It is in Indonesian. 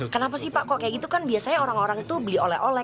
kenapa sih pak kok kayak gitu kan biasanya orang orang itu beli oleh oleh